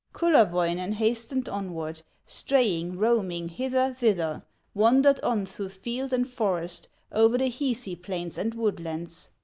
Kullerwoinen hastened onward, Straying, roaming, hither, thither, Wandered on through field and forest, O'er the Hisi plains and woodlands.